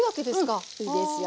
うんいいですよ。